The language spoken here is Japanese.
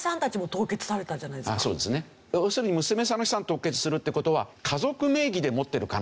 要するに娘さんの資産を凍結するって事は家族名義で持ってる可能性がある。